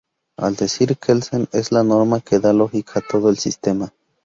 Al decir de Kelsen, es la norma que da lógica a todo el sistema.